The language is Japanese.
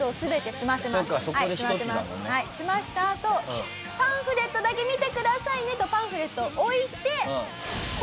済ませたあとパンフレットだけ見てくださいねとパンフレットを置いてこのまま帰ります。